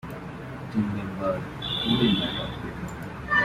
Team member Cody Mattern.